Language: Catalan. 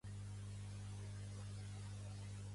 Quants catalans som independentistes?